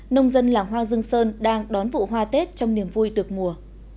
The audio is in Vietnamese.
nông dân làng hoa dương sơn đang đón vụ hoa tết trong niềm vui được mùa